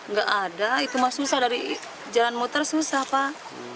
nggak ada itu mah susah dari jalan muter susah pak